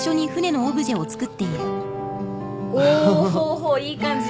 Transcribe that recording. おぉいい感じ。